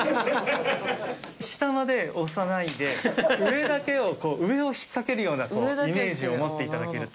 下まで押さないで上だけをこう上を引っかけるようなイメージを持って頂けると。